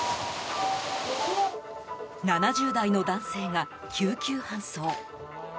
７０代の男性が、救急搬送。